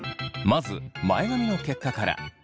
まず前髪の結果から。